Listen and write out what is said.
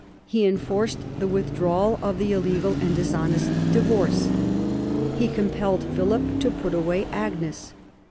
He enforced the withdrawal of the illegal and dishonest divorce. He compelled Philip to put away Agnes.